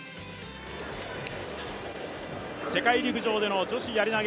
世界陸上での女子やり投